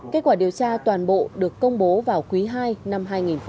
kết quả điều tra toàn bộ được công bố vào quý ii năm hai nghìn hai mươi